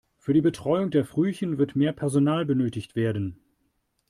Für die Betreuung der Frühchen wird mehr Personal benötigt werden.